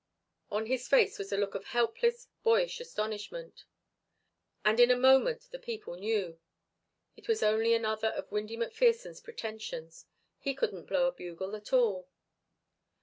On his face was a look of helpless boyish astonishment. And in a moment the people knew. It was only another of Windy McPherson's pretensions. He couldn't blow a bugle at all.